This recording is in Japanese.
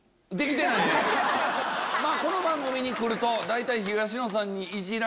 この番組に来ると。